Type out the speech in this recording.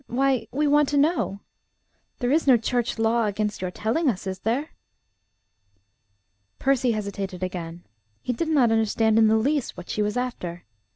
Why, we want to know. There is no church law against your telling us, is there?" Percy hesitated again. He did not understand in the least what she was after.